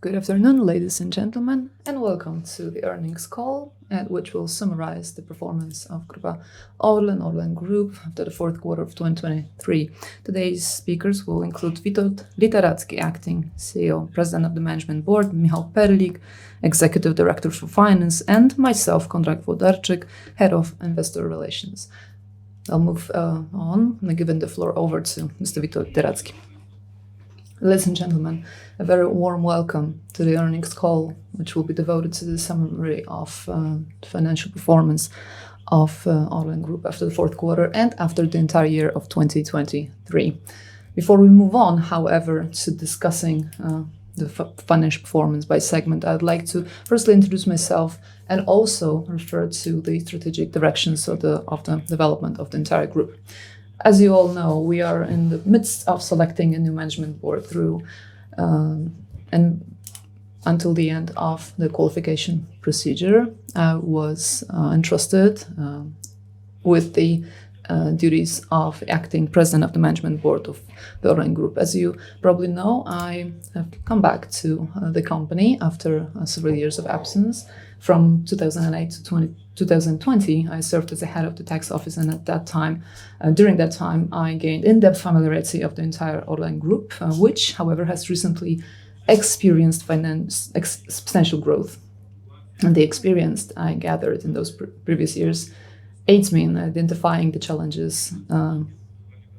Good afternoon, ladies and gentlemen, welcome to the earnings call, which will summarize the performance of ORLEN Group, after the Q4 of 2023. Today's speakers will include Witold Literacki, Acting CEO, President of the Management Board, Michał Perlik, Executive Director for Finance, and myself, Konrad Włodarczyk, Head of Investor Relations. I'll move on, giving the floor over to Mr. Witold Literacki. Ladies and gentlemen, a very warm welcome to the earnings call, which will be devoted to the summary of financial performance of ORLEN Group after the Q4, and after the entire year of 2023. Before we move on, however, to discussing the financial performance by segment, I would like to firstly introduce myself, and also refer to the strategic directions of the development of the entire group. As you all know, we are in the midst of selecting a new management board through. Until the end of the qualification procedure, I was entrusted with the duties of Acting President of the Management Board of the ORLEN Group. As you probably know, I have come back to the company after several years of absence. From 2008 to 2020, I served as Head of the Tax Office. During that time, I gained in-depth familiarity with the entire ORLEN Group, which, however, has recently experienced substantial growth. The experience I gathered in those previous years aids me in identifying the challenges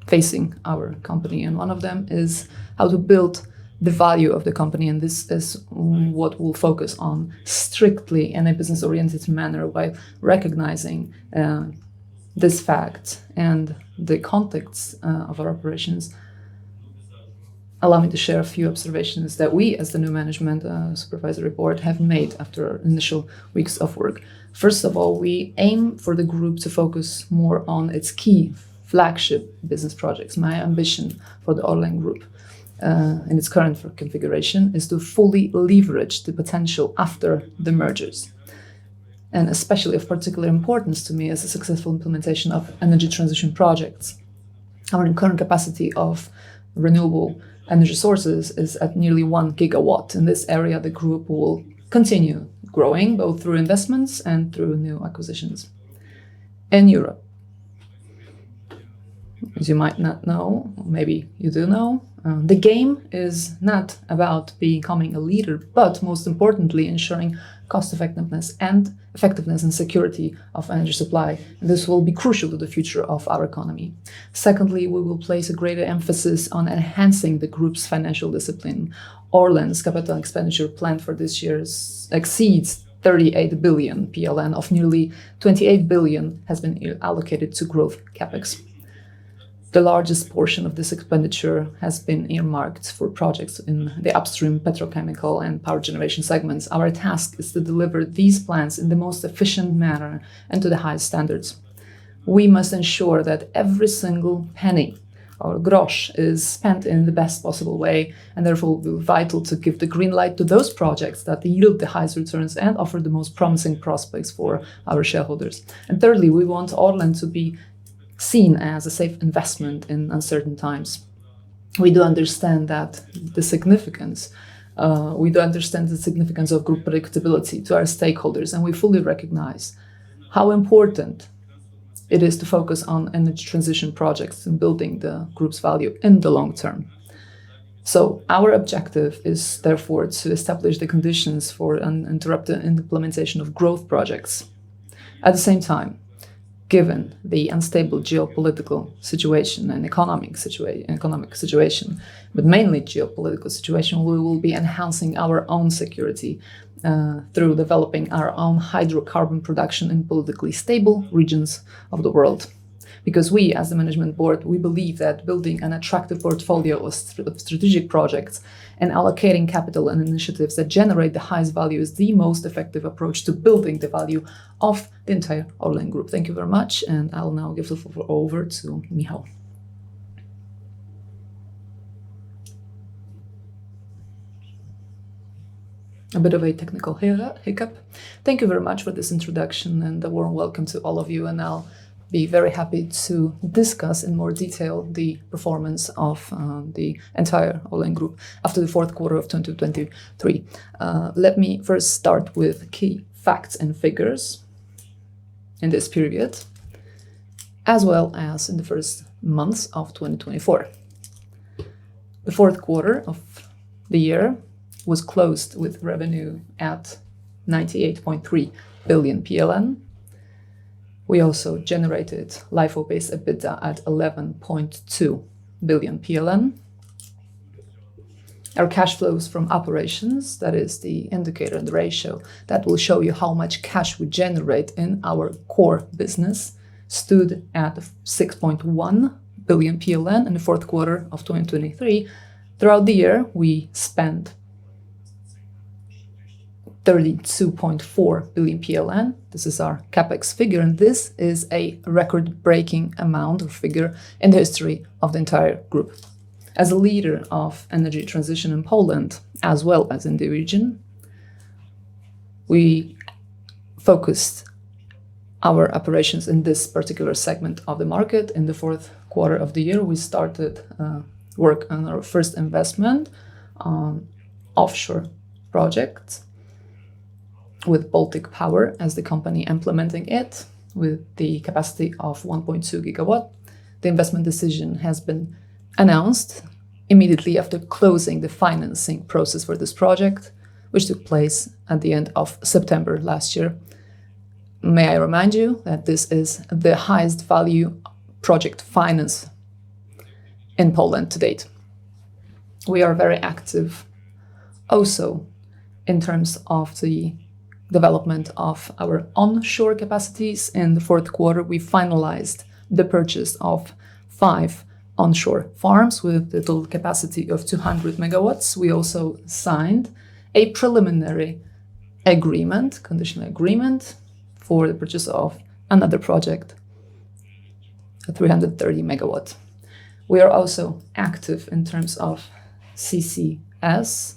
facing our company, and one of them is how to build the value of the company, and this is what we'll focus on strictly in a business-oriented manner by recognizing this fact and the context of our operations. Allow me to share a few observations that we, as the new management, supervisory board, have made after the initial weeks of work. First of all, we aim for the group to focus more on its key flagship business projects. My ambition for the ORLEN Group in its current configuration is to fully leverage the potential after the mergers. Especially of particular importance to me, is the successful implementation of energy transition projects. Our current capacity of renewable energy sources is at nearly 1 GW. In this area, the group will continue growing, both through investments and through new acquisitions. In Europe, as you might not know, maybe you do know, the game is not about becoming a leader, but most importantly, ensuring cost-effectiveness and effectiveness and security of energy supply. This will be crucial to the future of our economy. Secondly, we will place a greater emphasis on enhancing the group's financial discipline. ORLEN's capital expenditure plan for this year's exceeds 38 billion PLN, of nearly 28 billion has been allocated to growth CapEx. The largest portion of this expenditure has been earmarked for projects in the upstream petrochemical and power generation segments. Our task is to deliver these plans in the most efficient manner and to the highest standards. We must ensure that every single penny or grosz is spent in the best possible way, therefore, vital to give the green light to those projects that yield the highest returns and offer the most promising prospects for our shareholders. Thirdly, we want ORLEN to be seen as a safe investment in uncertain times. We do understand the significance of group predictability to our stakeholders, and we fully recognize how important it is to focus on energy transition projects and building the group's value in the long term. Our objective is, therefore, to establish the conditions for an uninterrupted implementation of growth projects. At the same time, given the unstable geopolitical situation and economic situation, but mainly geopolitical situation, we will be enhancing our own security, through developing our own hydrocarbon production in politically stable regions of the world. Because we, as the management board, we believe that building an attractive portfolio of strategic projects and allocating capital in initiatives that generate the highest value, is the most effective approach to building the value of the entire ORLEN Group. Thank you very much, and I'll now give the floor over to Michał. A bit of a technical hiccup. Thank you very much for this introduction, and a warm welcome to all of you, and I'll be very happy to discuss in more detail the performance of the entire ORLEN Group after the Q4 of 2023. Let me first start with key facts and figures in this period, as well as in the first months of 2024. The Q4 of the year was closed with revenue at 98.3 billion PLN. We also generated LIFO-based EBITDA at 11.2 billion PLN. Our cash flows from operations, that is the indicator and the ratio that will show you how much cash we generate in our core business, stood at 6.1 billion PLN in the Q4 of 2023. Throughout the year, we spent 32.4 billion PLN. This is our CapEx figure, and this is a record-breaking amount of figure in the history of the entire group. As a leader in the energy transition in Poland, as well as in the region we focused our operations in this particular segment of the market. In the Q4 of the year, we started work on our first investment, offshore project with Baltic Power as the company implementing it, with the capacity of 1.2 GW. The investment decision has been announced immediately after closing the financing process for this project, which took place at the end of September last year. May I remind you that this is the highest value project finance in Poland to date. We are very active also in terms of the development of our onshore capacities. In the Q4, we finalized the purchase of five onshore farms with a total capacity of 200 MW. We also signed a preliminary agreement, conditional agreement, for the purchase of another project, 330 MW. We are also active in terms of CCS,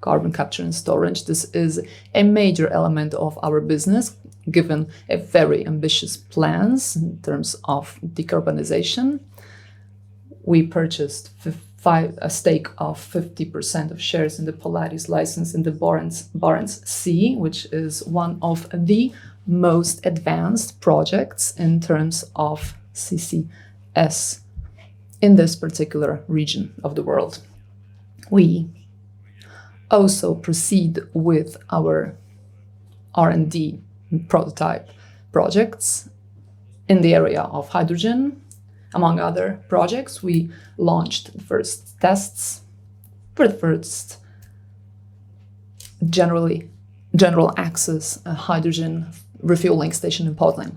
carbon capture and storage. This is a major element of our business, given a very ambitious plans in terms of decarbonization. We purchased a stake of 50% of shares in the Polaris license in the Barents Sea, which is one of the most advanced projects in terms of CCS in this particular region of the world. We also proceed with our R&D prototype projects in the area of hydrogen. Among other projects, we launched the first tests for the first general access hydrogen refueling station in Poznań.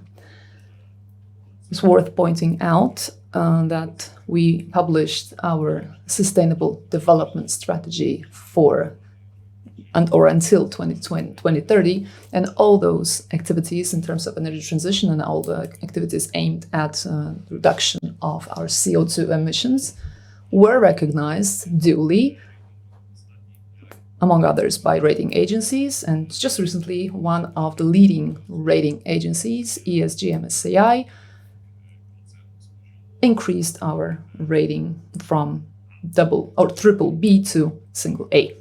It's worth pointing out that we published our sustainable development strategy until 2030, and all those activities in terms of energy transition and all the activities aimed at reduction of our CO2 emissions, were recognized duly, among others, by rating agencies, and just recently, one of the leading rating agencies, ESG MSCI, increased our rating from double or BBB to A.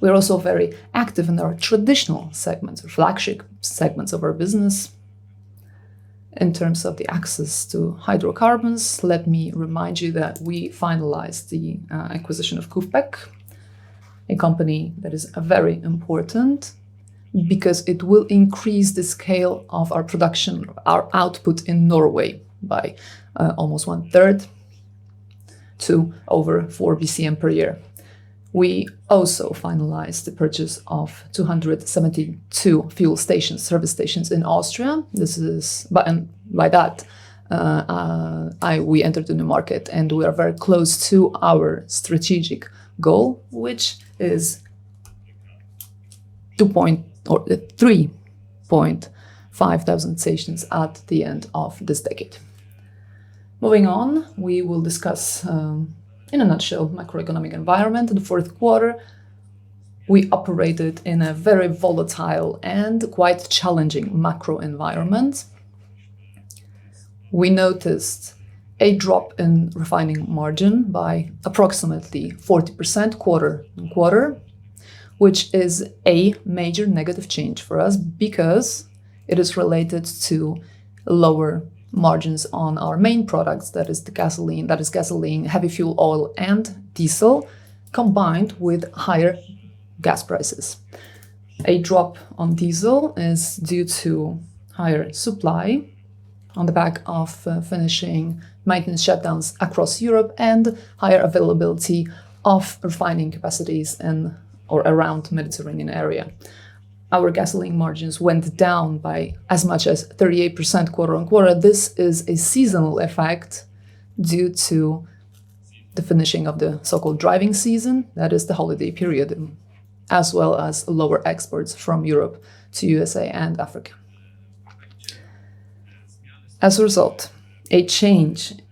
We are also very active in our traditional segments or flagship segments of our business. In terms of the access to hydrocarbons, let me remind you that we have finalized the acquisition of KUFPEC, a company that is very important because it will increase the scale of our production, our output in Norway by almost one third to over 4 bcm per year. We also finalized the purchase of 272 fuel stations, service stations in Austria. And by that, we entered the new market, and we are very close to our strategic goal, which is 3,500 stations at the end of this decade. Moving on, we will discuss in a nutshell, macroeconomic environment. In the Q4, we operated in a very volatile and quite challenging macroenvironment. We noticed a drop in refining margin by approximately 40% quarter-on-quarter, which is a major negative change for us because it is related to lower margins on our main products, that is gasoline, heavy fuel oil and diesel, combined with higher gas prices. A drop on diesel is due to higher supply on the back of finishing maintenance shutdowns across Europe and higher availability of refining capacities in or around Mediterranean area. Our gasoline margins went down by as much as 38% quarter-on-quarter. This is a seasonal effect due to the finishing of the so-called driving season, that is the holiday period, as well as lower exports from Europe to USA and Africa. As a result of a change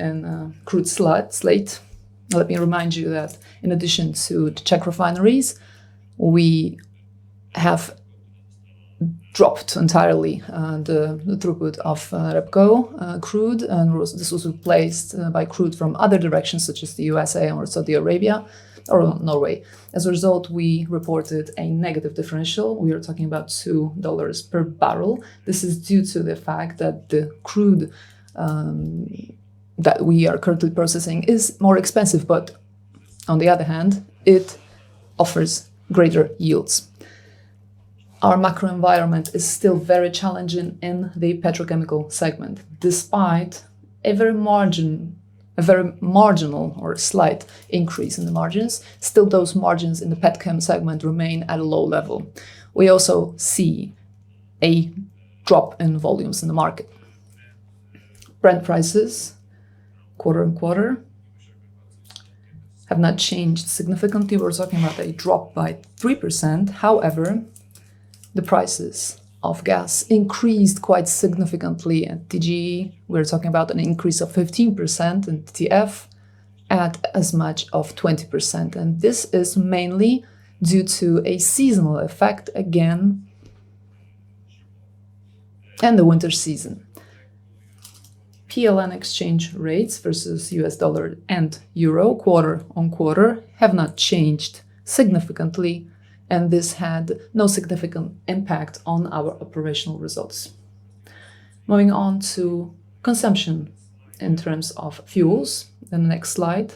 in crude slate, let me remind you that in addition to the Czech refineries, we have dropped entirely the throughput of REBCO crude, and this was replaced by crude from other directions, such as the USA or Saudi Arabia or Norway. As a result, we reported a negative differential. We are talking about $2 per barrel. This is due to the fact that the crude that we are currently processing is more expensive, but on the other hand, it offers greater yields. Our macroenvironment is still very challenging in the petrochemical segment. Despite a very marginal or slight increase in the margins, still those margins in the petchem segment remain at a low level. We also see a drop in volumes in the market. Brent prices, quarter-on-quarter, have not changed significantly. We're talking about a drop by 3%. The prices of gas increased quite significantly at TGE. We're talking about an increase of 15%, and TF at as much of 20%, and this is mainly due to a seasonal effect again, and the winter season. PLN exchange rates versus the U.S. dollar and the euro, quarter-over-quarter, have not changed significantly, and this had no significant impact on our operational results. Moving on to consumption in terms of fuels, in the next slide,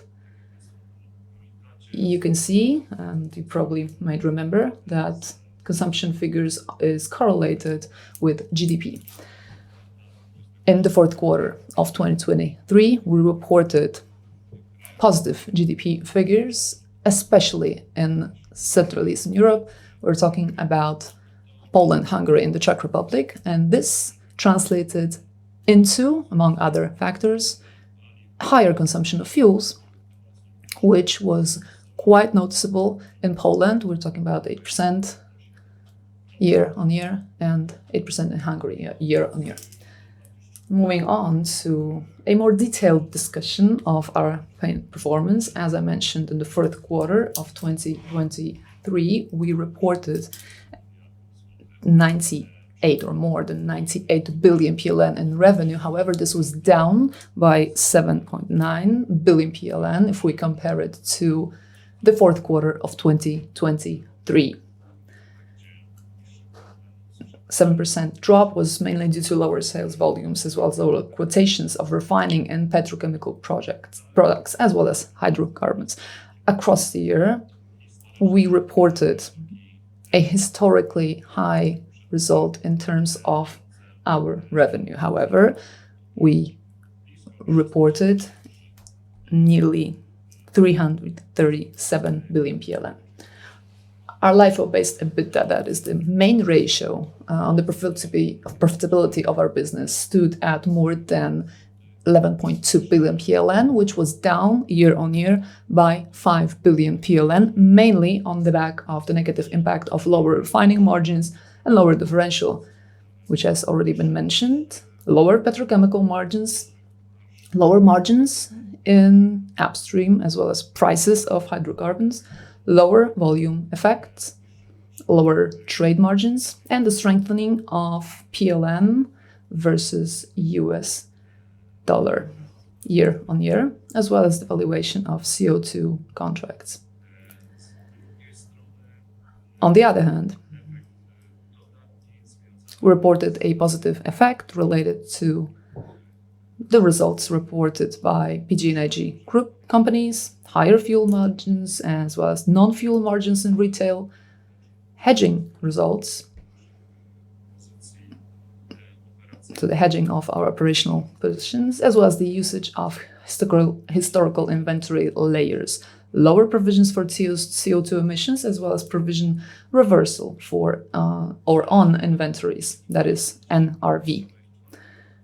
you can see, and you probably might remember, that consumption figures is correlated with GDP. In the Q4 of 2023, we reported positive GDP figures, especially in Central Eastern Europe. Poland, Hungary, and the Czech Republic, and this translated into, among other factors, higher consumption of fuels, which was quite noticeable in Poland. We're talking about 8% year-over-year, and 8% in Hungary year-over-year. Moving on to a more detailed discussion of our fin- performance, as I mentioned, in the Q4 of 2023, we reported more than 98 billion PLN in revenue. This was down by 7.9 billion PLN, if we compare it to the Q4 of 2023. 7% drop was mainly due to lower sales volumes, as well as lower quotations of refining and petrochemical products, as well as hydrocarbons. Across the year, we reported a historically high result in terms of our revenue. We reported nearly 337 billion PLN. Our LIFO-based EBITDA, that is the main ratio, on the profitability of our business, stood at more than 11.2 billion PLN, which was down year-on-year by 5 billion PLN, mainly on the back of the negative impact of lower refining margins and lower differential, which has already been mentioned, lower petrochemical margins, lower margins in upstream, as well as prices of hydrocarbons, lower volume effects, lower trade margins, and the strengthening of PLN versus U.S. dollar year-on-year, as well as the valuation of CO2 contracts. On the other hand, we reported a positive effect related to the results reported by PGNiG Group companies, higher fuel margins, as well as non-fuel margins in retail, hedging results, so the hedging of our operational positions, as well as the usage of historical inventory layers, lower provisions for CO2 emissions, as well as provision reversal for or on inventories, that is NRV.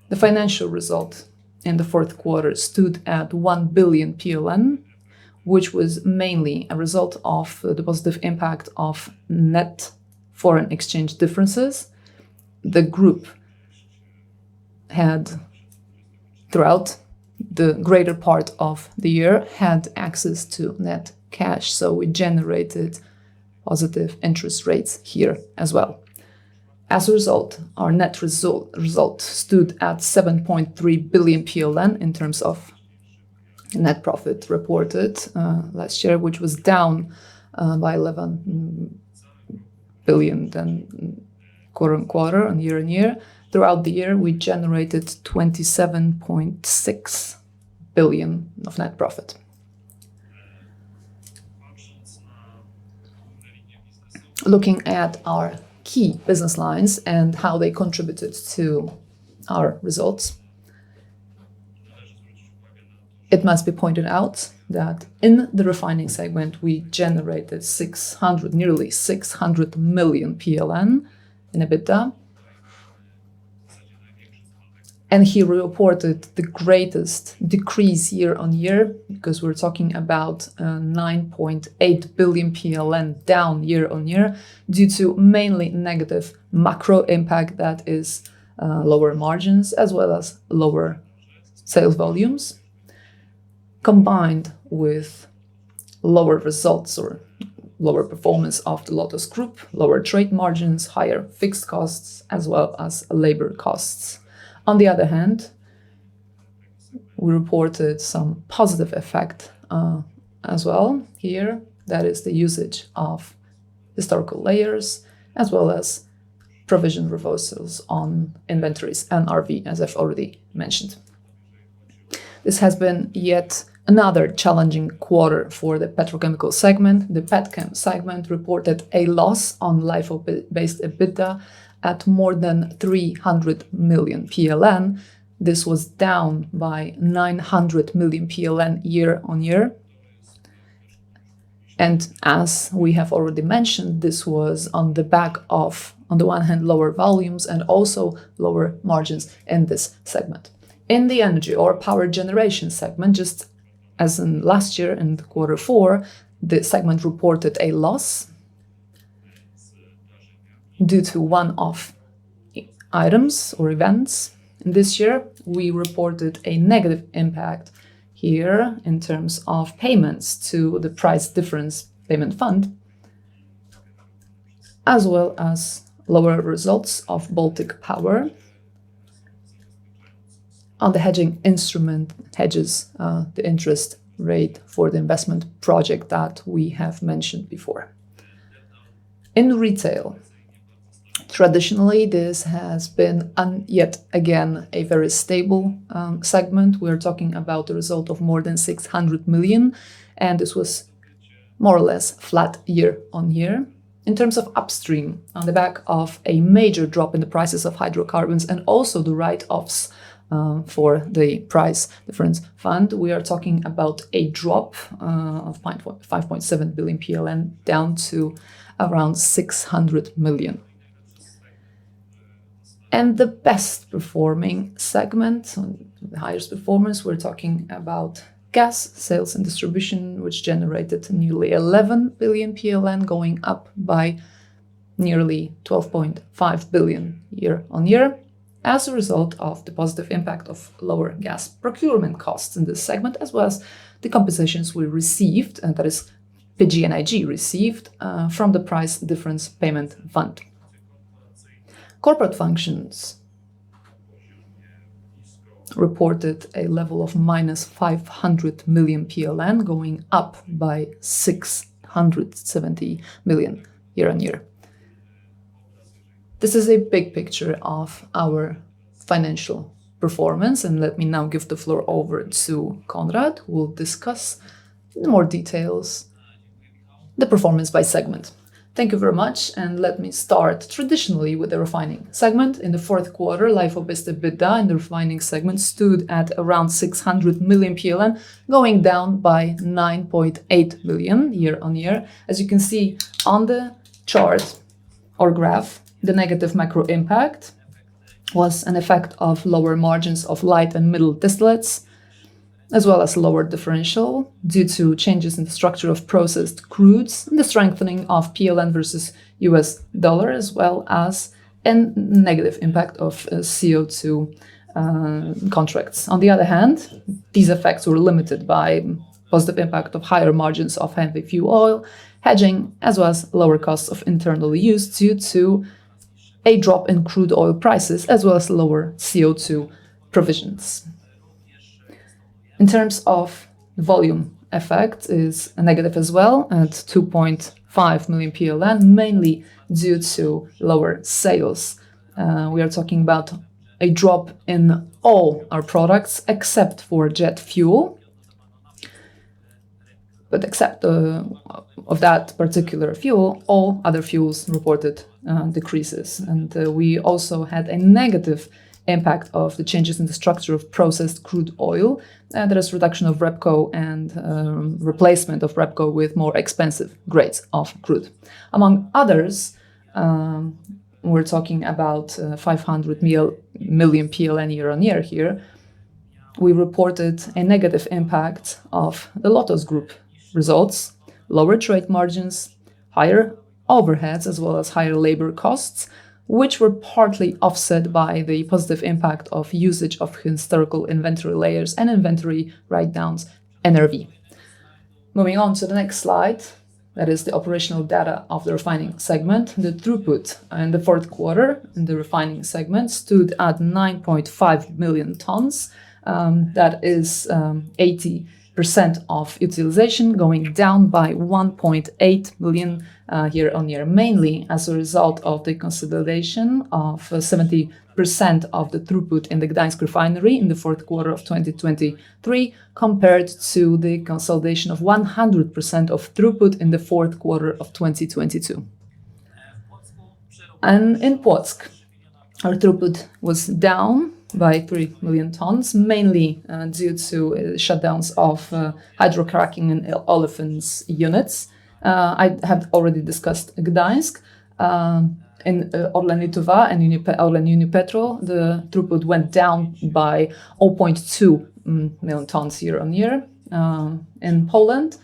The financial result in the Q4 stood at 1 billion PLN, which was mainly a result of the positive impact of net foreign exchange differences. The group had, throughout the greater part of the year, had access to net cash, so we generated positive interest rates here as well. Our net result stood at 7.3 billion PLN in terms of net profit reported last year, which was down by 11 billion than current quarter year-on-year. Throughout the year, we generated 27.6 billion of net profit. Looking at our key business lines and how they contributed to our results, it must be pointed out that in the refining segment, we generated nearly 600 million PLN in EBITDA, and here reported the greatest decrease year-on-year, because we're talking about 9.8 billion PLN down year-on-year, due to mainly negative macro impact. That is, lower margins, as well as lower sales volumes, combined with lower results or lower performance of the Lotos Group, lower trade margins, higher fixed costs, as well as labor costs. On the other hand, we reported some positive effect as well here. That is the usage of historical layers, as well as provision reversals on inventories and RV, as I've already mentioned. This has been yet another challenging quarter for the petrochemical segment. The petchem segment reported a loss on LIFO-based EBITDA at more than 300 million PLN. This was down by 900 million PLN year-on-year, and as we have already mentioned, this was on the back of, on the one hand, lower volumes and also lower margins in this segment. In the energy or power generation segment, just as in last year, in the quarter four, the segment reported a loss due to one-off items or events. In this year, we reported a negative impact here in terms of payments to the price difference payment fund, as well as lower results of Baltic Power on the hedging instrument, hedges, the interest rate for the investment project that we have mentioned before. In retail, traditionally, this has been yet again, a very stable segment. We're talking about a result of more than 600 million, and this was more or less flat year-on-year. In terms of upstream, on the back of a major drop in the prices of hydrocarbons and also the write-offs for the price difference fund, we are talking about a drop of 5.7 billion PLN, down to around 600 millio. The best performing segment, on the highest performance, we're talking about gas sales and distribution, which generated nearly 11 billion PLN, going up by nearly 12.5 billion year-on-year, as a result of the positive impact of lower gas procurement costs in this segment, as well as the compensations we received, and that is PGNiG received from the price difference payment fund. Corporate functions reported a level of minus 500 million PLN, going up by 670 million year-on-year. This is a big picture of our financial performance, let me now give the floor over to Konrad, who will discuss in more details the performance by segment. Thank you very much, let me start traditionally with the refining segment. In the Q4, LIFO, EBITDA in the refining segment stood at around 600 million PLN, going down by 9.8 billion year-on-year. As you can see on the chart or graph, the negative macro impact was an effect of lower margins of light and middle distillates, as well as lower differential due to changes in the structure of processed crudes, and the strengthening of PLN versus U.S. dollar, as well as a negative impact of CO2 contracts. On the other hand, these effects were limited by positive impact of higher margins of heavy fuel oil, hedging, as well as lower costs of internal use due to a drop in crude oil prices, as well as lower CO2 provisions. In terms of volume effect is negative as well, and it's 2.5 million PLN, mainly due to lower sales. We are talking about a drop in all our products except for jet fuel. Except of that particular fuel, all other fuels reported decreases. We also had a negative impact of the changes in the structure of processed crude oil, and there is reduction of REBCO and replacement of REBCO with more expensive grades of crude. Among others, we are talking about 500 million PLN year-on-year here. We reported a negative impact of the Lotos Group results, lower trade margins, higher overheads, as well as higher labor costs, which were partly offset by the positive impact of usage of historical inventory layers and inventory write-downs, NRV. Moving on to the next slide, that is the operational data of the refining segment. The throughput in the Q4 in the refining segment stood at 9.5 million tons. That is 80% of utilization, going down by 1.8 million year-on-year, mainly as a result of the consolidation of 70% of the throughput in the Gdańsk Refinery in the Q4 of 2023, compared to the consolidation of 100% of throughput in the Q4 of 2022. In Płock, our throughput was down by 3 million tons, mainly due to shutdowns of hydrocracking and olefins units. I have already discussed Gdańsk. In ORLEN Lietuva and ORLEN Unipetrol, the throughput went down by 0.2 million tons year-on-year. In Poland,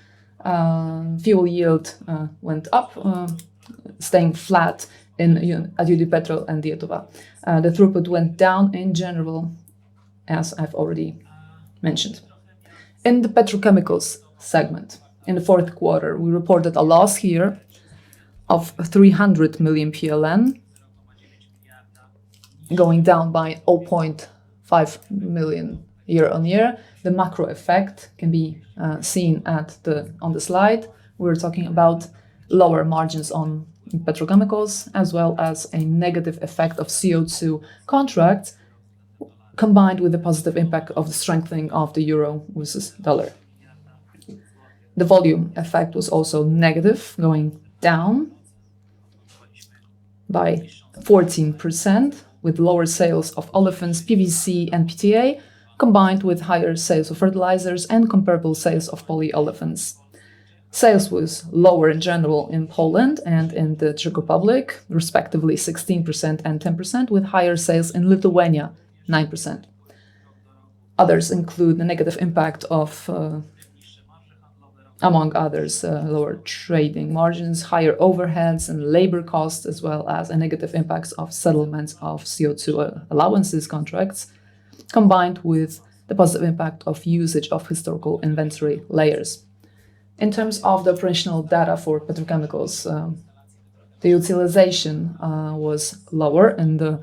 fuel yield went up, staying flat in ORLEN Unipetrol and ORLEN Lietuva. The throughput went down in general, as I've already mentioned. In the petrochemicals segment, in the Q4, we reported a loss here of 300 million PLN, going down by 0.5 million year-on-year. The macro effect can be seen on the slide. We're talking about lower margins on petrochemicals, as well as a negative effect of CO2 contracts, combined with the positive impact of the strengthening of the euro versus dollar. The volume effect was also negative, going down by 14%, with lower sales of olefins, PVC, and PTA, combined with higher sales of fertilizers and comparable sales of polyolefins. Sales was lower in general in Poland and in the Czech Republic, respectively, 16% and 10%, with higher sales in Lithuania, 9%. Others include the negative impact of, among others, lower trading margins, higher overheads and labor costs, as well as the negative impacts of settlements of CO2 allowances contracts, combined with the positive impact of usage of historical inventory layers. In terms of the operational data for Petrochemicals, the utilization was lower in the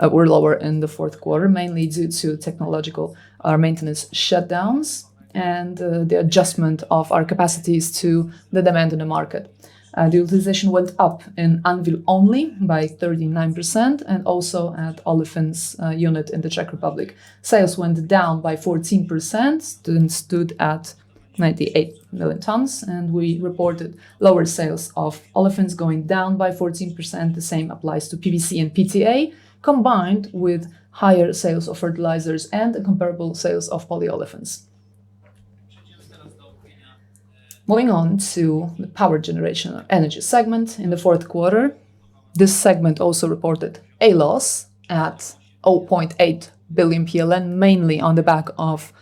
Q4, mainly due to technological or maintenance shutdowns and the adjustment of our capacities to the demand in the market. The utilization went up in ANWIL only by 39%, and also at olefins unit in the Czech Republic. Sales went down by 14%, and stood at 98 million tons, and we reported lower sales of olefins going down by 14%. The same applies to PVC and PTA, combined with higher sales of fertilizers and the comparable sales of polyolefins. Moving on to the Power Generation Energy segment. In the Q4, this segment also reported a loss at 0.8 billion PLN, mainly on the back of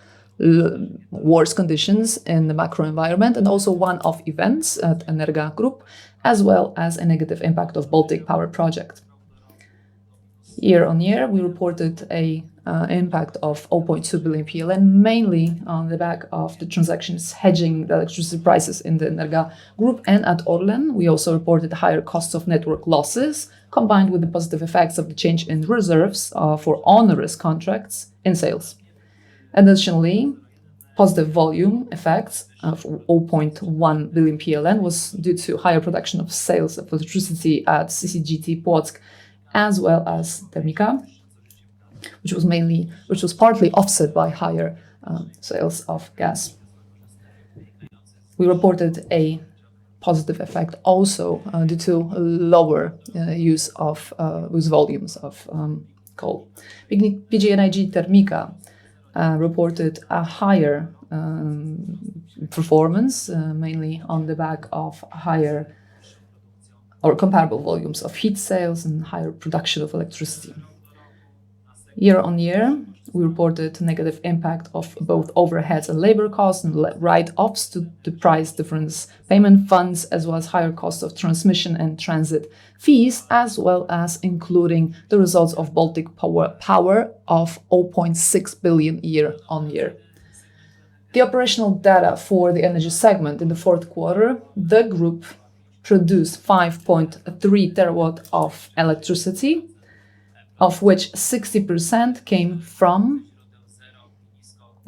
worse conditions in the macroenvironment, and also one-off events at Energa Group, as well as a negative impact of Baltic Power project. Year-on-year, we reported an impact of 0.2 billion, mainly on the back of the transactions hedging the electricity prices in the Energa Group and at ORLEN. We also reported higher costs of network losses, combined with the positive effects of the change in reserves for onerous contracts and sales. Additionally, positive volume effects of 0.1 billion PLN was due to higher production of sales of electricity at CCGT Płock, as well as Termika, which was partly offset by higher sales of gas. We reported a positive effect also due to lower use volumes of coal. ORLEN Termika reported a higher performance mainly on the back of higher or comparable volumes of heat sales and higher production of electricity. Year-on-year, we reported negative impact of both overheads and labor costs, write-offs to the price difference payment fund, as well as higher costs of transmission and transit fees, as well as including the results of Baltic Power of 0.6 billion year-on-year. The operational data for the energy segment in the Q4, the group produced 5.3 TW of electricity, of which 60% came from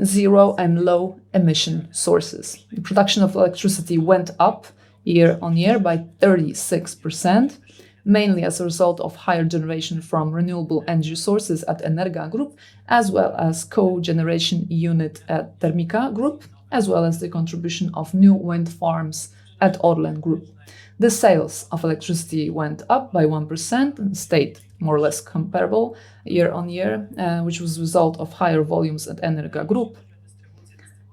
zero and low emission sources. The production of electricity went up year-over-year by 36%, mainly as a result of higher generation from renewable energy sources at Energa Group, as well as co-generation unit at Termika Group, as well as the contribution of new wind farms at ORLEN Group. The sales of electricity went up by 1% and stayed more or less comparable year-over-year, which was a result of higher volumes at Energa Group.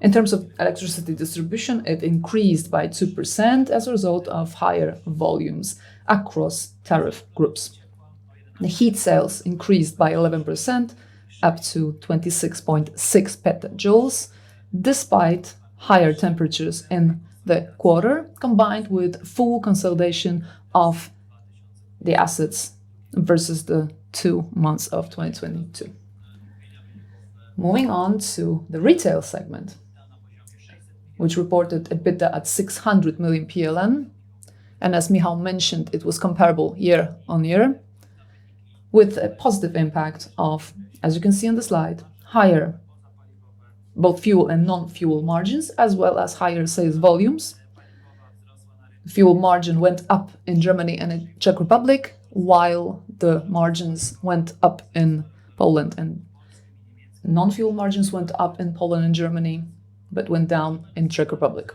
In terms of electricity distribution, it increased by 2% as a result of higher volumes across tariff groups. The heat sales increased by 11%, up to 26.6 petajoules, despite higher temperatures in the quarter, combined with full consolidation of the assets versus the 2 months of 2022. Moving on to the retail segment, which reported a EBITDA at 600 million PLN. As Michał mentioned, it was comparable year-on-year, with a positive impact of, as you can see on the slide, higher, both fuel and non-fuel margins, as well as higher sales volumes. Fuel margin went up in Germany and in Czech Republic, while the margins went up in Poland, and non-fuel margins went up in Poland and Germany, but went down in Czech Republic.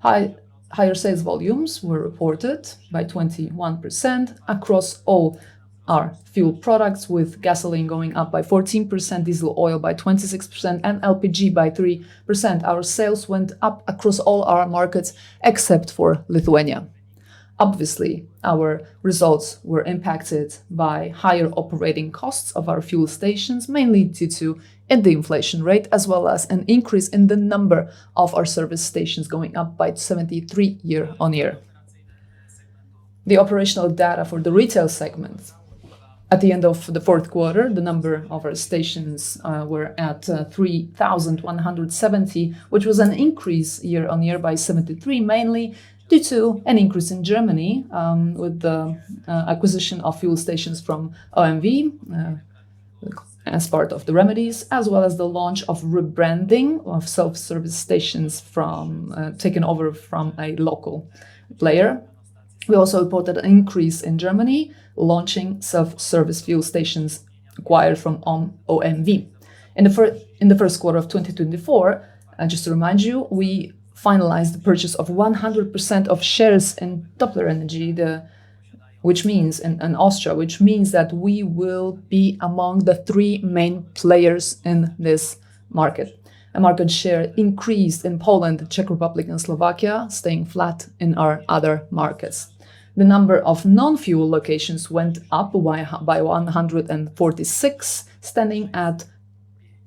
Higher sales volumes were reported by 21% across all our fuel products, with gasoline going up by 14%, diesel oil by 26%, and LPG by 3%. Our sales went up across all our markets, except for Lithuania. Obviously, our results were impacted by higher operating costs of our fuel stations, mainly due to in the inflation rate, as well as an increase in the number of our service stations, going up by 73 year-on-year. The operational data for the retail segment. At the end of the Q4, the number of our stations were at 3,170, which was an increase year-on-year by 73, mainly due to an increase in Germany, with the acquisition of fuel stations from OMV, as part of the remedies, as well as the launch of rebranding of self-service stations from taken over from a local player. We also reported an increase in Germany, launching self-service fuel stations acquired from OMV. In the Q1 of 2024, just to remind you, we finalized the purchase of 100% of shares in Doppler Energie, which means, in Austria, which means that we will be among the 3 main players in this market. Our market share increased in Poland, the Czech Republic, and Slovakia, staying flat in our other markets. The number of non-fuel locations went up by 146, standing at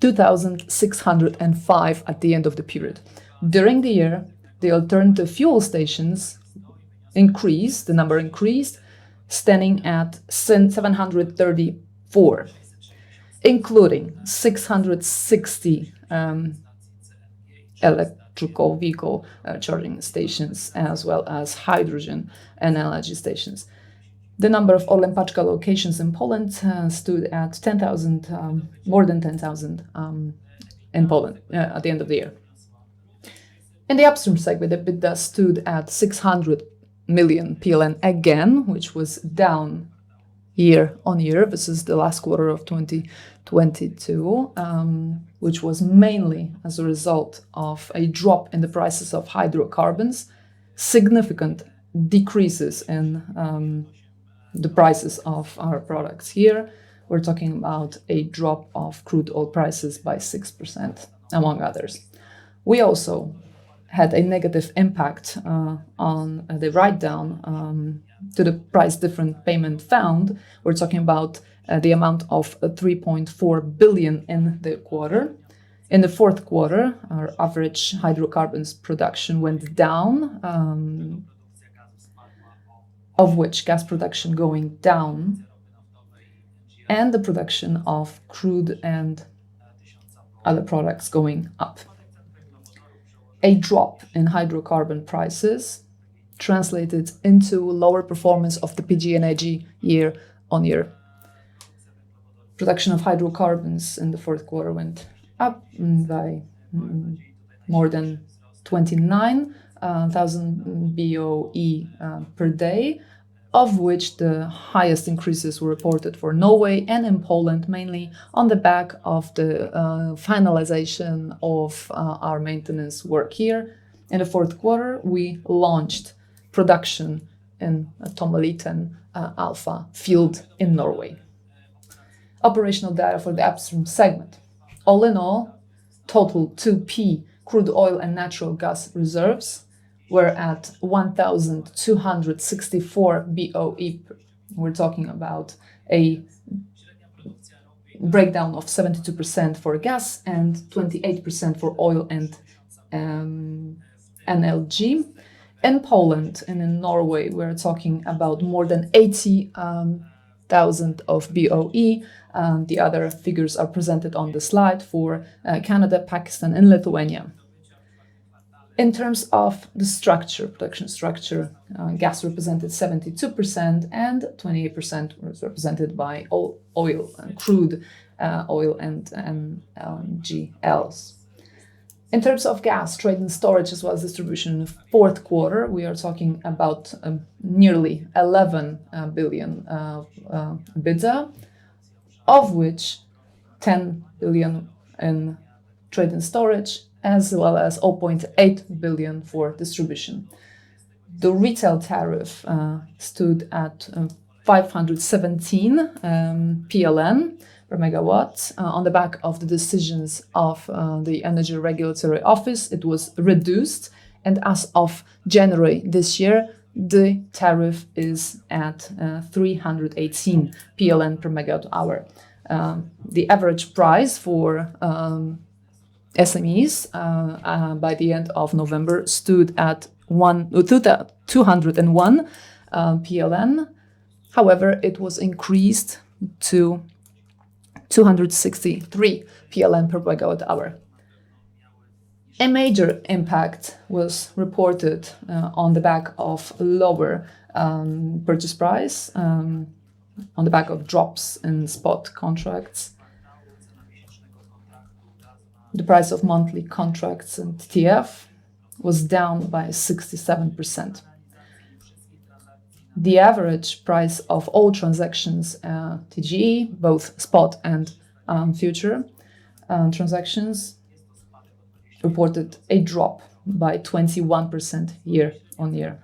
2,605 at the end of the period. During the year, the alternative fuel stations increased, standing at 734, including 660 electrical vehicle charging stations, as well as hydrogen and LNG stations. The number of ORLEN Paczka locations in Poland stood at more than 10,000 in Poland at the end of the year. In the Upstream segment, EBITDA stood at 600 million PLN, again, which was down year-over-year. This is the last quarter of 2022, which was mainly as a result of a drop in the prices of hydrocarbons, significant decreases in the prices of our products here. We're talking about a drop of crude oil prices by 6%, among others. We also had a negative impact on the write-down to the price difference payment fund. We're talking about the amount of 3.4 billion in the quarter. In the Q4, our average hydrocarbons production went down, of which gas production going down and the production of crude and other products going up. A drop in hydrocarbon prices translated into lower performance of the PGNiG year-on-year. Production of hydrocarbons in the Q4 went up by more than 29,000 BOE per day, of which the highest increases were reported for Norway and in Poland, mainly on the back of the finalization of our maintenance work here. In the Q4, we launched production in Tommeliten Alpha field in Norway. Operational data for the Upstream segment. All in all, total 2P crude oil and natural gas reserves were at 1,264 BOE. We're talking about a breakdown of 72% for gas and 28% for oil and LNG. In Poland and in Norway, we're talking about more than 80,000 of BOE. The other figures are presented on the slide for Canada, Pakistan, and Lithuania. In terms of the structure, production structure, gas represented 72%, and 28% was represented by oil and crude oil and LNG. In terms of gas trade and storage, as well as distribution, in the Q4, we are talking about nearly 11 billion EBITDA, of which 10 billion in trade and storage, as well as 0.8 billion for distribution. The retail tariff stood at 517 PLN/MW. On the back of the decisions of the Energy Regulatory Office, it was reduced. As of January this year, the tariff is at 318 PLN/MWh. The average price for SMEs by the end of November stood at 201 PLN/MWh. However, it was increased to 263 PLN/MWh. A major impact was reported on the back of lower purchase price on the back of drops in spot contracts. The price of monthly contracts in TTF was down by 67%. The average price of all transactions, TGE, both spot and future transactions, reported a drop by 21% year-on-year.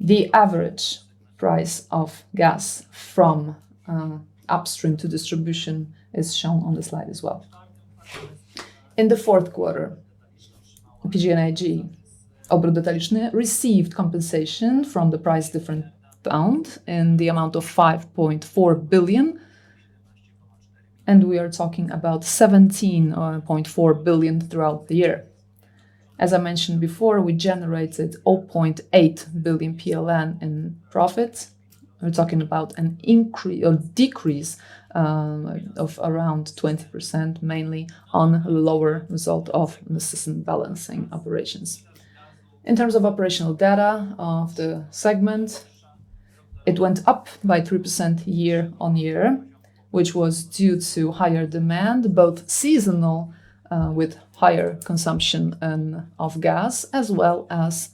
The average price of gas from upstream to distribution is shown on the slide as well. In the Q4, PGNiG Obrót Detaliczny received compensation from the price difference fund in the amount of 5.4 billion, and we are talking about 17.4 billion throughout the year. As I mentioned before, we generated 0.8 billion PLN in profits. We're talking about a decrease of around 20%, mainly on a lower result of the system balancing operations. In terms of operational data of the segment, it went up by 3% year-on-year, which was due to higher demand, both seasonal, with higher consumption of gas, as well as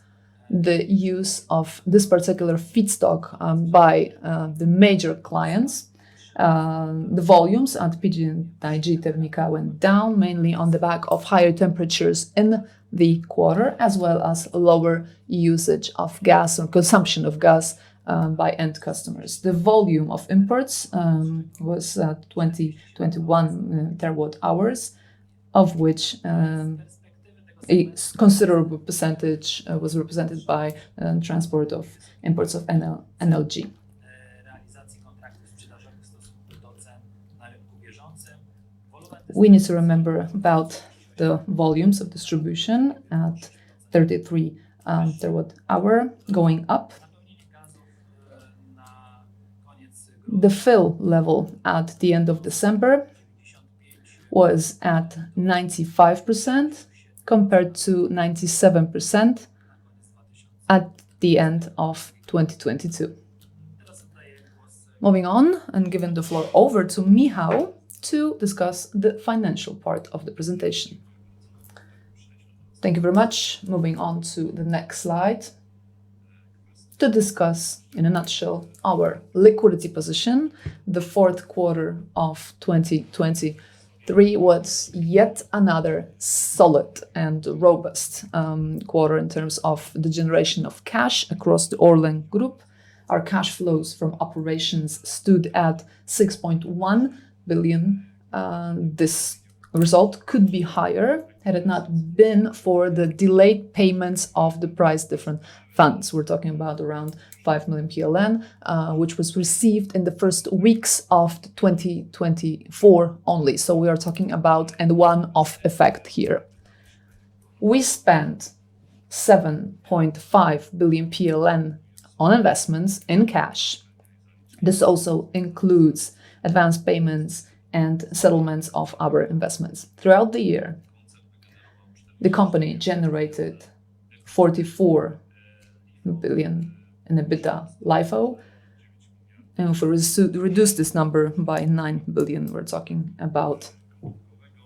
the use of this particular feedstock by the major clients, the volumes at ORLEN Termika went down, mainly on the back of higher temperatures in the quarter, as well as lower usage of gas or consumption of gas by end customers. The volume of imports was at 20 TWh, 21 TWh, of which a considerable percentage was represented by transport of imports of LNG. We need to remember about the volumes of distribution at 33 TWh going up. The fill level at the end of December was at 95%, compared to 97% at the end of 2022. I'm giving the floor over to Michał to discuss the financial part of the presentation. Thank you very much. To the next slide. To discuss, in a nutshell, our liquidity position, the Q4 of 2023 was yet another solid and robust quarter in terms of the generation of cash across the ORLEN Group. Our cash flows from operations stood at 6.1 billion. This result could be higher had it not been for the delayed payments of the price difference funds. We're talking about around 5 million PLN, which was received in the first weeks of 2024 only. We are talking about a one-off effect here. We spent 7.5 billion PLN on investments in cash. This also includes advanced payments and settlements of our investments. Throughout the year, the company generated 44 billion in EBITDA LIFO. If we reduce this number by 9 billion, we're talking about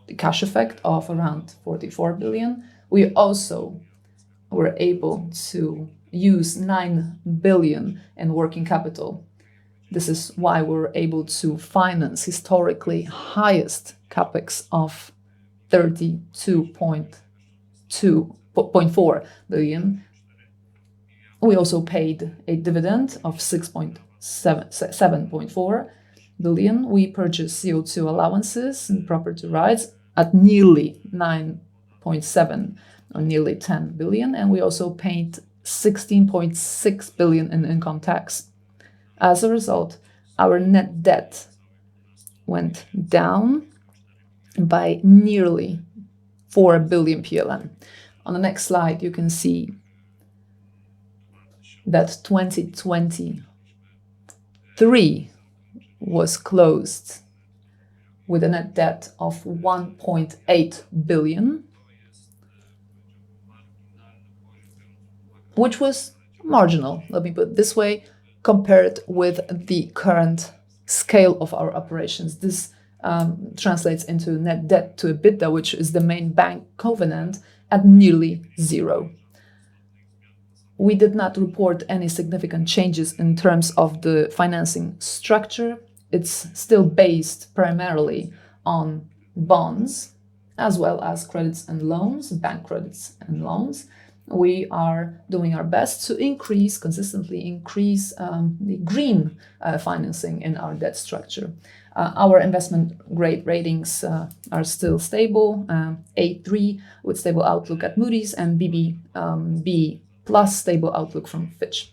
the cash effect of around 44 billion. We also were able to use 9 billion in working capital. This is why we were able to finance historically highest CapEx of 32.4 billion. We also paid a dividend of 7.4 billion. We purchased CO2 allowances and property rights at nearly 9.7 billion, or nearly 10 billion, and we also paid 16.6 billion in income tax. As a result, our net debt went down by nearly 4 billion PLN. On the next slide, you can see that 2023 was closed with a net debt of 1.8 billion, which was marginal, let me put it this way, compared with the current scale of our operations. This translates into net debt to EBITDA, which is the main bank covenant at nearly 0. We did not report any significant changes in terms of the financing structure. It's still based primarily on bonds, as well as credits and loans, bank credits and loans. We are doing our best to consistently increase the green financing in our debt structure. Our investment grade ratings are still stable, A3 with stable outlook at Moody's and BBB+ stable outlook from Fitch.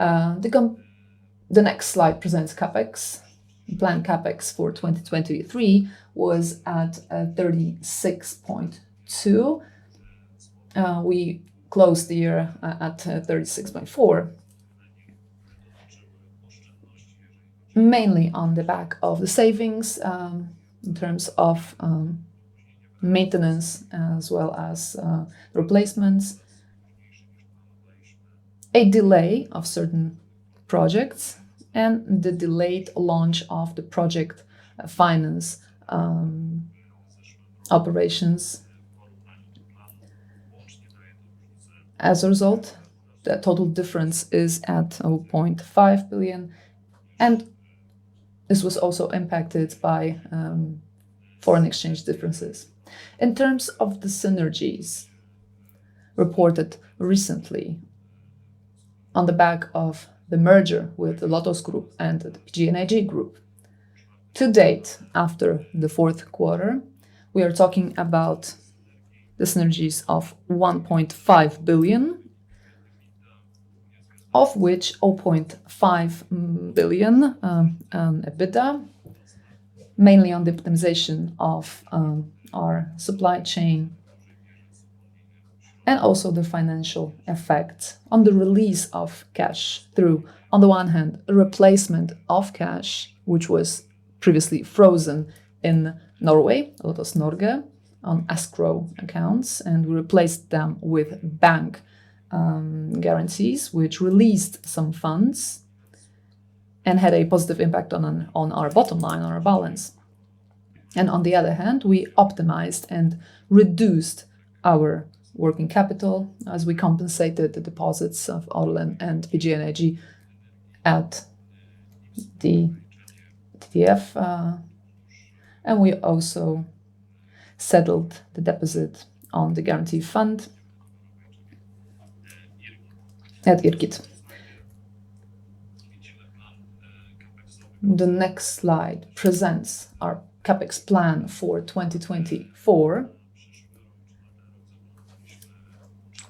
The next slide presents CapEx. Planned CapEx for 2023 was at 36.2. We closed the year at 36.4. Mainly on the back of the savings in terms of maintenance, as well as replacements, a delay of certain projects, and the delayed launch of the project finance operations. As a result, the total difference is at 0.5 billion, and this was also impacted by foreign exchange differences. In terms of the synergies reported recently on the back of the merger with the Lotos Group and the PGNiG Group, to date, after the Q4, we are talking about the synergies of 1.5 billion, of which 0.5 billion EBITDA, mainly on the optimization of our supply chain, and also the financial effect on the release of cash through, on the one hand, a replacement of cash, which was previously frozen in Norway, Lotos Norge, on escrow accounts, and we replaced them with bank guarantees, which released some funds. had a positive impact on our bottom line, on our balance. On the other hand, we optimized and reduced our working capital as we compensated the deposits of ORLEN and PGNiG at the TTF, and we also settled the deposit on the guarantee fund at IRGiT. The next slide presents our CapEx plan for 2024.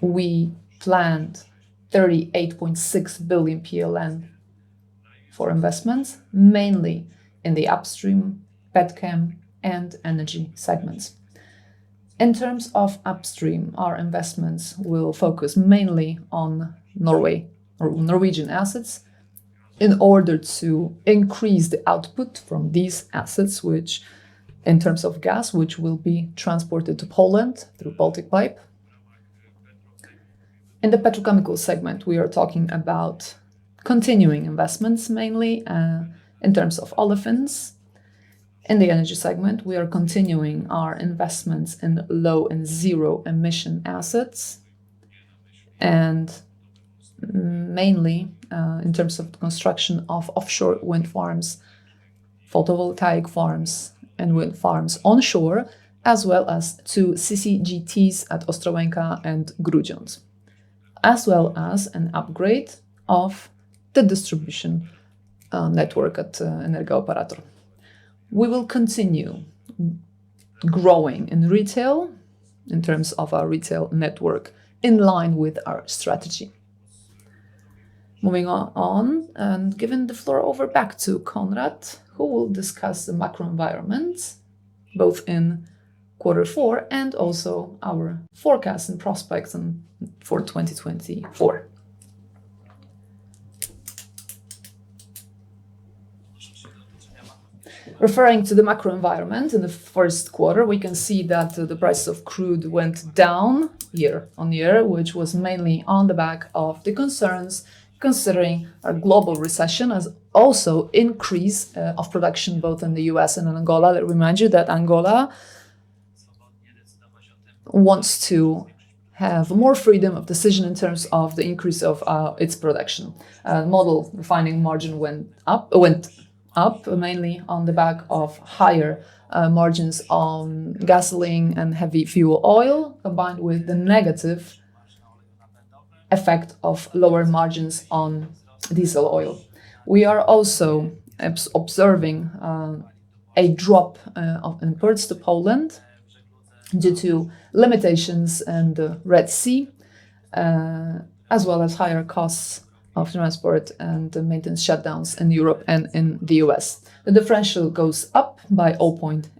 We planned 38.6 billion PLN for investments, mainly in the upstream, petchem, and energy segments. In terms of upstream, our investments will focus mainly on Norway or Norwegian assets, in order to increase the output from these assets, which in terms of gas, which will be transported to Poland through Baltic Pipe. In the petrochemical segment, we are talking about continuing investments, mainly in terms of olefins. In the energy segment, we are continuing our investments in low and zero-emission assets, mainly in terms of the construction of offshore wind farms, photovoltaic farms, and wind farms onshore, as well as 2 CCGTs at Ostrołęka and Grudziądz, as well as an upgrade of the distribution network at Energa-Operator. We will continue growing in retail, in terms of our retail network, in line with our strategy. Moving on, and giving the floor over back to Konrad, who will discuss the macroenvironment, both in quarter four and also our forecast and prospects for 2024. Referring to the macroenvironment, in the Q1, we can see that the prices of crude went down year-on-year, which was mainly on the back of the concerns, considering a global recession, as also increase of production, both in the U.S. and in Angola. Let me remind you that Angola wants to have more freedom of decision in terms of the increase of its production. Model refining margin went up, mainly on the back of higher margins on gasoline and heavy fuel oil, combined with the negative effect of lower margins on diesel oil. We are also observing a drop of imports to Poland due to limitations in the Red Sea, as well as higher costs of transport and maintenance shutdowns in Europe and in the U.S. The differential goes up by 0.8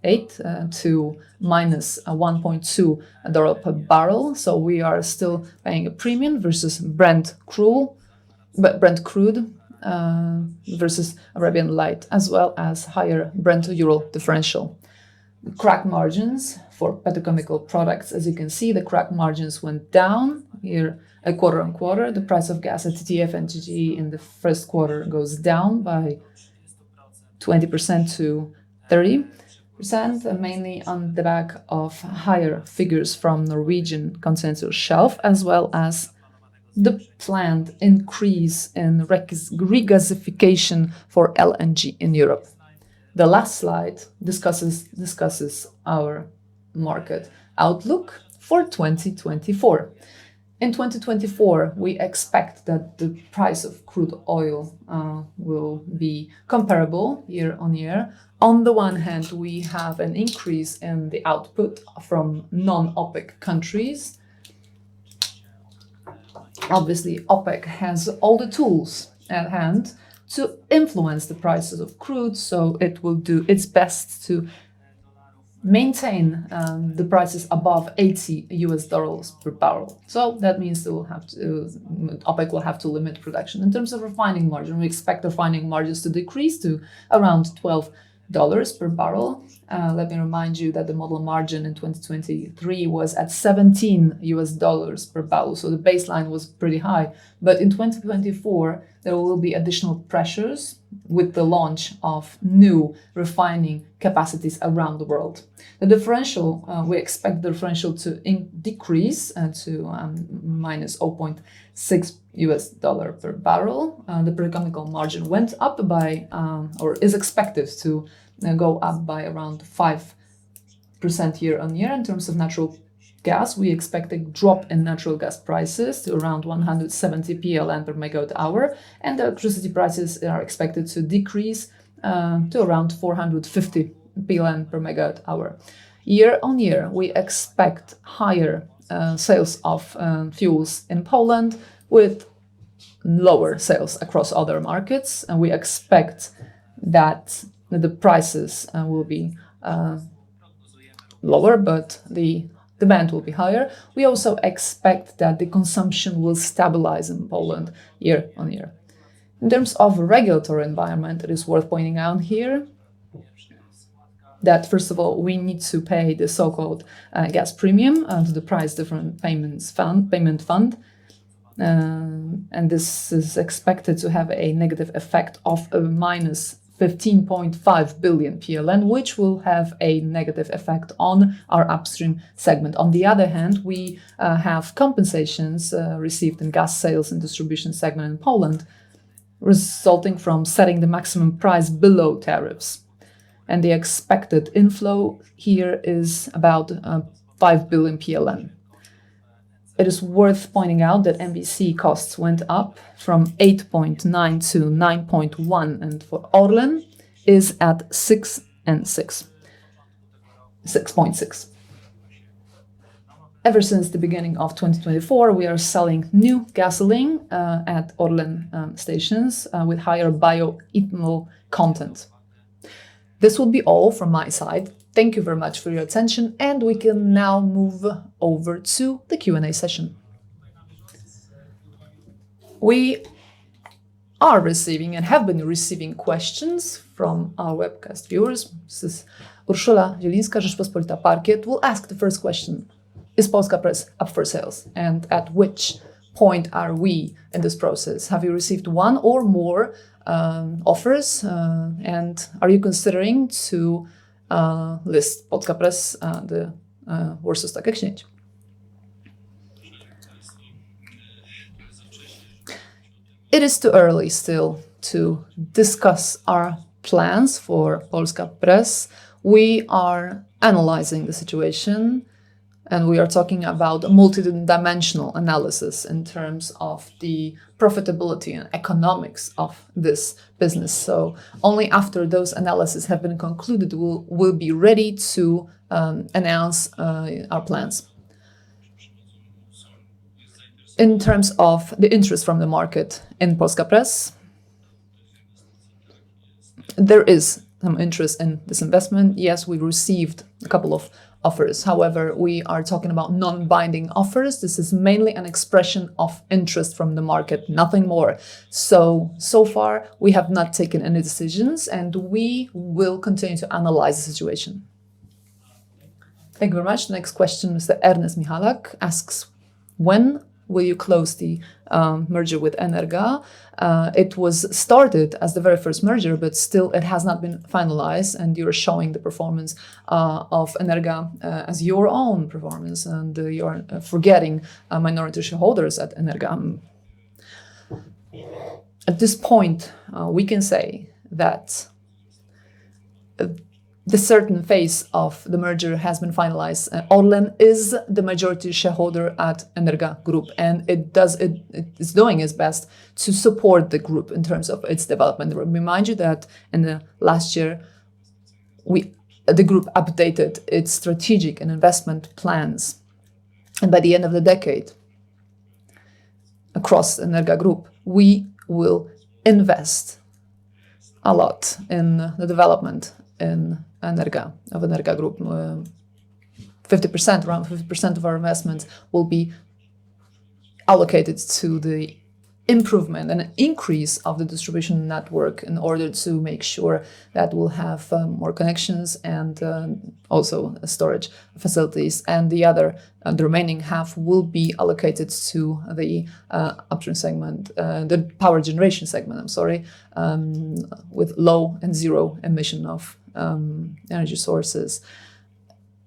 to -$1.2 per barrel, so we are still paying a premium versus Brent crude versus Arabian Light, as well as higher Brent to Ural differential. Crack margins for petrochemical products, as you can see, the crack margins went down quarter-on-quarter. The price of gas at TTF NG in the Q1 goes down by 20%-30%, mainly on the back of higher figures from Norwegian Continental Shelf, as well as the planned increase in regasification for LNG in Europe. The last slide discusses our market outlook for 2024. In 2024, we expect that the price of crude oil will be comparable year-on-year. On the one hand, we have an increase in the output from non-OPEC countries. Obviously, OPEC has all the tools at hand to influence the prices of crude, it will do its best to maintain the prices above $80 per barrel. That means OPEC will have to limit production. In terms of refining margin, we expect refining margins to decrease to around $12 per barrel. Let me remind you that the model margin in 2023 was at $17 per barrel, so the baseline was pretty high. In 2024, there will be additional pressures with the launch of new refining capacities around the world. The differential, we expect the differential to decrease to -$0.6 per barrel. The petrochemical margin went up by, or is expected to, go up by around 5% year-on-year. In terms of natural gas, we expect a drop in natural gas prices to around 170 PLN/MWh, and the electricity prices are expected to decrease to around 450 PLN/MWh. Year-on-year, we expect higher sales of fuels in Poland, with lower sales across other markets, and we expect that the prices will be lower, but the demand will be higher. We also expect that the consumption will stabilize in Poland year-on-year. In terms of regulatory environment, it is worth pointing out that first of all, we need to pay the so-called gas premium under the price difference payment fund. This is expected to have a negative effect of -15.5 billion PLN, which will have a negative effect on our upstream segment. On the other hand, we have compensations received in gas sales and distribution segment in Poland, resulting from setting the maximum price below tariffs, and the expected inflow here is about 5 billion. It is worth pointing out that MBC costs went up from 8.9 to 9.1, and for ORLEN, is at 6.6. Ever since the beginning of 2024, we are selling new gasoline at ORLEN stations with higher bioethanol content. This will be all from my side. Thank you very much for your attention. We can now move over to the Q&A session. We are receiving, and have been receiving questions from our webcast viewers. This is Urszula Zielińska, Rzeczpospolita, Parkiet, will ask the first question: Is Polska Press up for sales, and at which point are we in this process? Have you received one or more offers, and are you considering to list Polska Press on the Warsaw Stock Exchange? It is too early still to discuss our plans for Polska Press. We are analyzing the situation, we are talking about a multidimensional analyses in terms of the profitability and economics of this business, only after those analyses have been concluded, we'll be ready to announce our plans. In terms of the interest from the market in Polska Press, there is some interest in this investment. Yes, we received a couple of offers. However, we are talking about non-binding offers. This is mainly an expression of interest from the market, nothing more. So far, we have not taken any decisions, and we will continue to analyze the situation. Thank you very much. Next question, Mr. Ernest Michalak asks, "When will you close the merger with Energa? It was started as the very first merger, but still it has not been finalized, and you are showing the performance of Energa as your own performance, and you are forgetting our minority shareholders at Energa. At this point, we can say that the certain phase of the merger has been finalized, and ORLEN is the majority shareholder at Energa Group, and It is doing its best to support the group in terms of its development. Let me remind you that in the last year, we the group updated its strategic and investment plans, and by the end of the decade, across Energa Group, we will invest a lot in the development in Energa, of Energa Group. 50%, around 50% of our investment will be allocated to the improvement and increase of the distribution network in order to make sure that we'll have more connections and also storage facilities. The other, the remaining half will be allocated to the upstream segment, the power generation segment, I'm sorry, with low and zero emission of energy sources.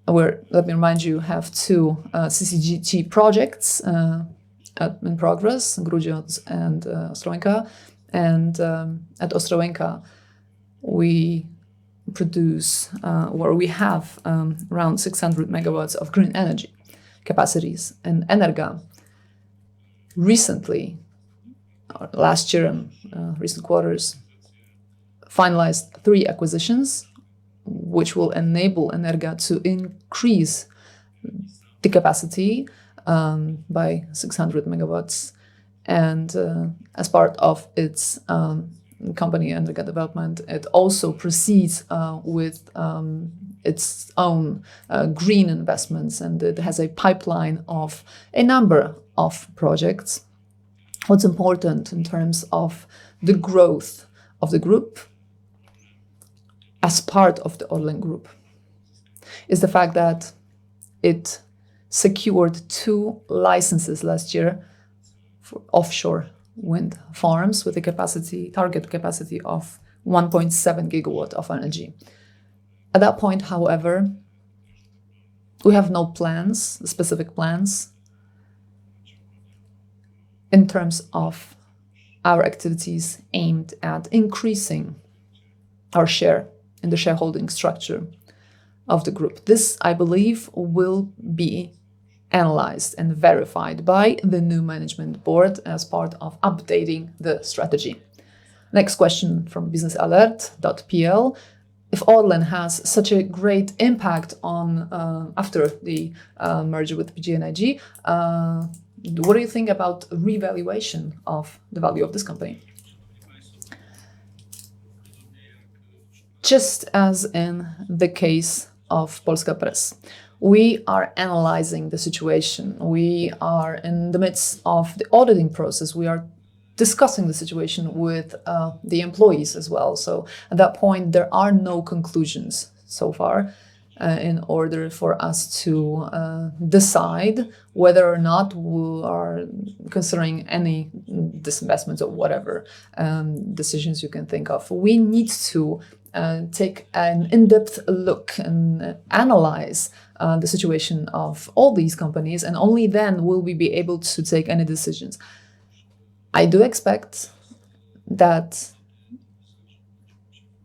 Where, let me remind you, we have two CCGT projects in progress, Grudziądz and Ostrołęka. At Ostrołęka, we produce or we have around 600 MW of green energy capacities. Energa, recently, last year, recent quarters, finalized three acquisitions, which will enable Energa to increase the capacity by 600 MW, as part of its company Energa development, it also proceeds with its own green investments, and it has a pipeline of a number of projects. What's important in terms of the growth of the group, as part of the ORLEN Group, is the fact that it secured two licenses last year for offshore wind farms, with a capacity, target capacity of 1.7 GW of energy. At that point, however, we have no plans, specific plans, in terms of our activities aimed at increasing our share in the shareholding structure of the group. This, I believe, will be analyzed and verified by the new management board as part of updating the strategy. Next question from Biznesalert.pl: "IfORLEN has such a great impact on after the merger with PGNiG, what do you think about revaluation of the value of this company?" Just as in the case of Polska Press, we are analyzing the situation. We are in the midst of the auditing process. We are discussing the situation with the employees as well. At that point, there are no conclusions so far, in order for us to decide whether or not we are considering any disinvestment or whatever decisions you can think of. We need to take an in-depth look and analyze the situation of all these companies, and only then will we be able to take any decisions. I do expect that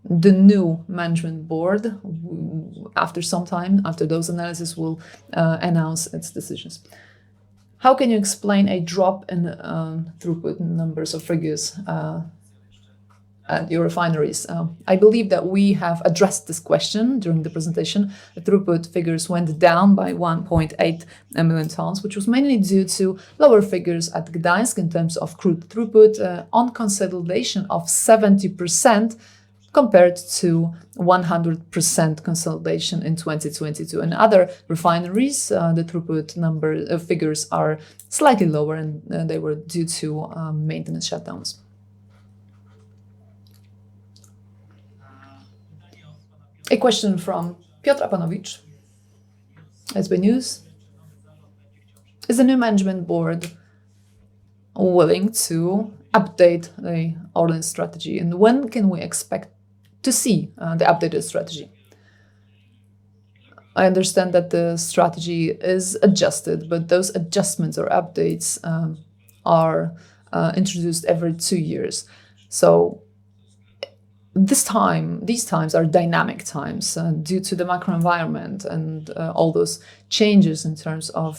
the new management board, after some time, after those analysis, will announce its decisions. How can you explain a drop in throughput numbers or figures at your refineries? I believe that we have addressed this question during the presentation. The throughput figures went down by 1.8 million tons, which was mainly due to lower figures at Gdansk in terms of crude throughput on consolidation of 70%, compared to 100% consolidation in 2022. In other refineries, the throughput number figures are slightly lower, and they were due to maintenance shutdowns. A question from Piotr Apanowicz, ISBnews: "Is the new management board willing to update the ORLEN strategy, and when can we expect to see the updated strategy?" I understand that the strategy is adjusted, but those adjustments or updates are introduced every 2 years. These times are dynamic times due to the macroenvironment and all those changes in terms of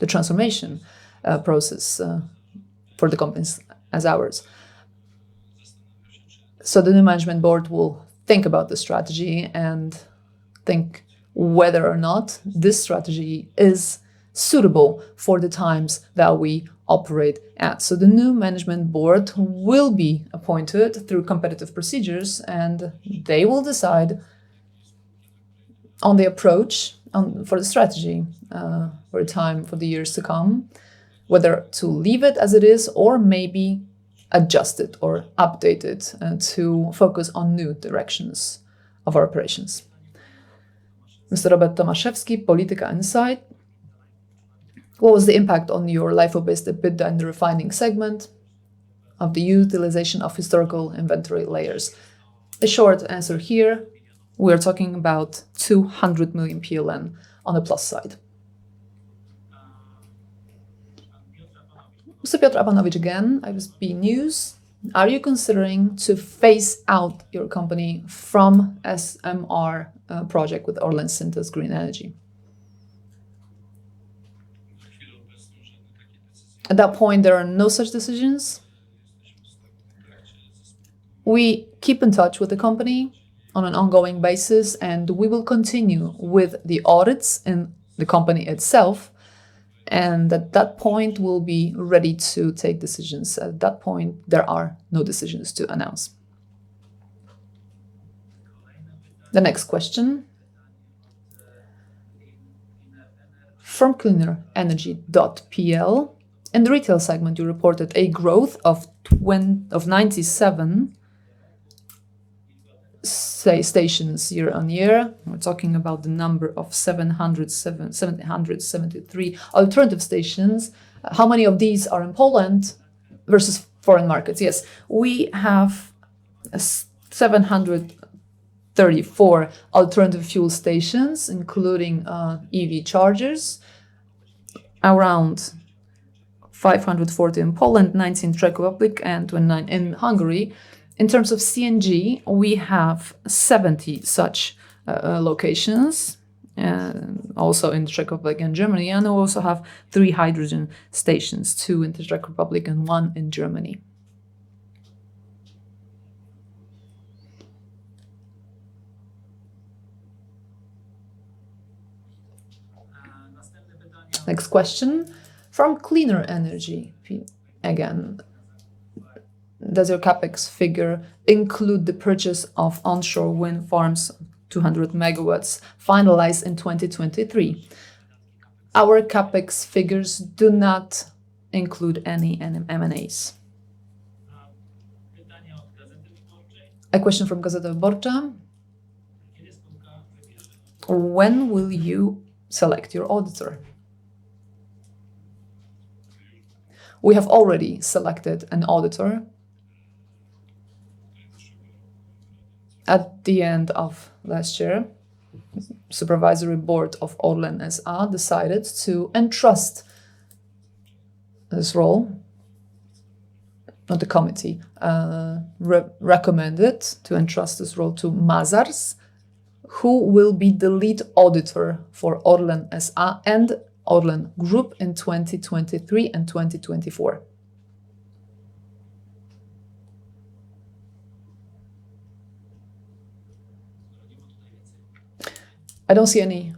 the transformation process for the companies as ours. The new management board will think about the strategy and think whether or not this strategy is suitable for the times that we operate at. The new management board will be appointed through competitive procedures, and they will decide on the approach for the strategy for the years to come, whether to leave it as it is or maybe adjust it or update it, and to focus on new directions of our operations. Mr. Robert Tomaszewski, Polityka Insight: "What was the impact on your LIFO-based EBITDA in the refining segment of the utilization of historical inventory layers?" A short answer here, we're talking about 200 million PLN on the plus side. Mr. Piotr Apanowicz again with ISBnews: "Are you considering to phase out your company from SMR project with ORLEN Synthos Green Energy?" At that point, there are no such decisions. We keep in touch with the company on an ongoing basis, and we will continue with the audits in the company itself, and at that point, we'll be ready to take decisions. At that point, there are no decisions to announce. The next question from Cleanenergy.pl: "In the retail segment, you reported a growth of 97, say, stations year-on-year." We're talking about the number of 773 alternative stations. How many of these are in Poland versus foreign markets?" Yes, we have 734 alternative fuel stations, including EV chargers. 540 in Poland, 90 in the Czech Republic, and 29 in Hungary. In terms of CNG, we have 70 such locations, also in the Czech Republic and Germany, and we also have 3 hydrogen stations, 2 in the Czech Republic and 1 in Germany. Next question from Cleanenergy.pl again: "Does your CapEx figure include the purchase of onshore wind farms, 200 MW, finalized in 2023?" Our CapEx figures do not include any M&As. A question from Gazeta Wyborcza: "When will you select your auditor?" We have already selected an auditor. At the end of last year, Supervisory Board of ORLEN S.A. decided to entrust this role or the committee, recommended to entrust this role to Mazars, who will be the lead auditor for ORLEN S.A. and ORLEN Group in 2023 and 2024. I don't see any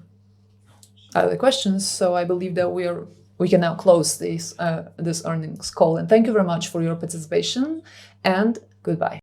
other questions, so I believe that we can now close this earnings call. Thank you very much for your participation, and goodbye.